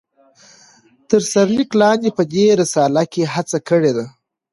تر سر ليک لاندي په دي رساله کې هڅه کړي ده